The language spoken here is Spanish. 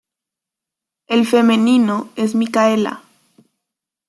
El femenino es Micaela.